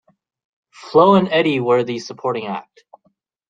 Flo and Eddie were the supporting act.